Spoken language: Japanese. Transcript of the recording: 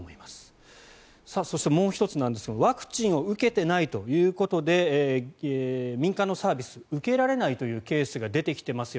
そして、もう１つですがワクチンを受けていないということで民間のサービス受けられないというケースが出てきてますよ